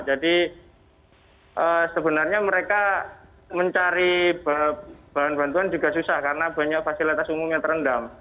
jadi sebenarnya mereka mencari bahan bantuan juga susah karena banyak fasilitas umum yang terendam